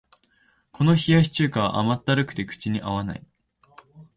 この冷やし中華は甘ったるくて口に合わない